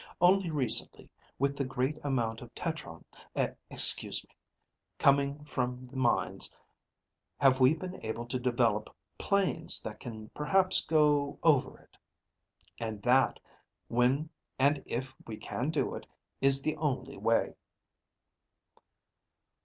Only recently, with the great amount of tetron eh, excuse me coming from the mines have we been able to develop planes that can perhaps go over it. And that, when and if we can do it, is the only way."